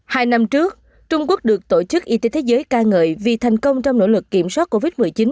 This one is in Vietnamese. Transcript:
hai năm trước trung quốc được tổ chức y tế thế giới ca ngợi vì thành công trong nỗ lực kiểm soát covid một mươi chín